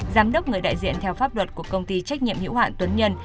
giám đốc người đại diện theo pháp luật của công ty trách nhiệm hiễu hoạn tuấn nhân